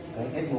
cái khép hồ